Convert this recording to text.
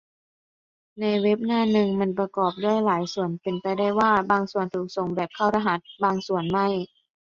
ในหน้าเว็บหน้านึง มันประกอบด้วยหลายส่วน เป็นไปได้ว่า บางส่วนถูกส่งแบบเข้ารหัส บางสวนไม่